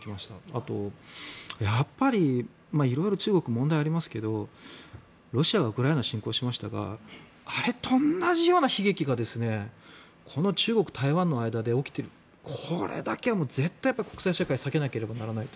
あと、やっぱり色々中国は問題ありますけどロシアがウクライナを侵攻しましたがあれと同じような悲劇がこの中国、台湾の間で起きるこれだけは絶対に国際社会避けなければならないと。